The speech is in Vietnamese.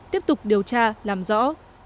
tiếp tục điều tra làm rõ